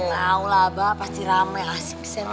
mau lah abah pasti rame asik